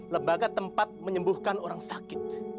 lembaga tempat menyembuhkan orang sakit